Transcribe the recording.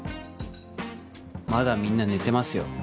まだみんな寝てますよ。